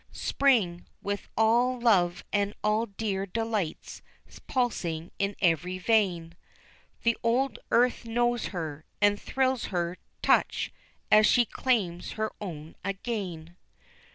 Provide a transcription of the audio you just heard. SPRING, with all love and all dear delights pulsing in every vein, The old earth knows her, and thrills to her touch, as she claims her own again.